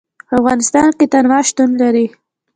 په افغانستان کې تنوع شتون لري.